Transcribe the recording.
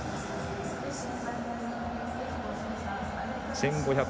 １５００